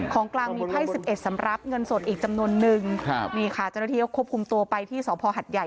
ของกลางมีไพ่สิบเอ็ดสำหรับเงินสดอีกจำนวนนึงครับนี่ค่ะเจ้าหน้าที่ก็ควบคุมตัวไปที่สพหัดใหญ่